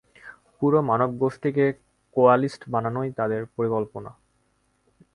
পুরো মানবগোষ্ঠীকে কোয়ালিস্ট বানানোই তাদের পরিকল্পনা।